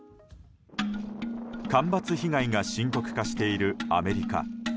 干ばつ被害が深刻化しているアメリカ。